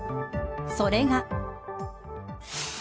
それが。